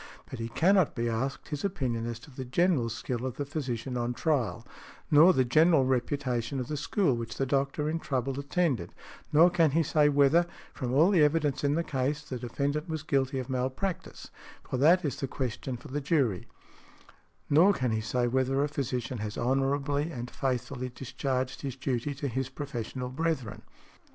But he cannot be asked his opinion as to the general skill of the physician on trial; nor the general reputation of the school which the doctor in trouble attended; nor can he say whether, from all the evidence in the case, the defendant was guilty of malpractice, for that is the question for the jury; nor can he say whether a physician has honorably and faithfully discharged his duty to his professional brethren .